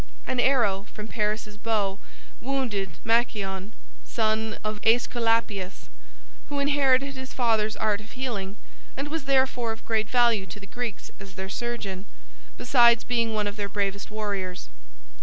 An arrow from Paris's bow wounded Machaon, son of Aesculapius, who inherited his father's art of healing, and was therefore of great value to the Greeks as their surgeon, besides being one of their bravest warriors.